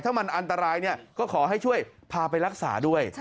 ถ้ามันอันตรายก็ขอให้ช่วยพาไปรักษาด้วย